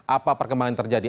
apa perkembangan yang terjadi